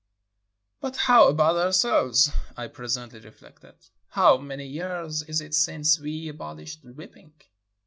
"But how about ourselves?" I pres ently reflected. *'How many years is it since we abol ished whipping?